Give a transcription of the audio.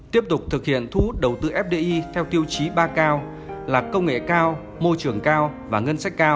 tiếp tục thực hiện thu hút đầu tư fdi theo tiêu chí ba cao là công nghệ cao môi trường cao và ngân sách cao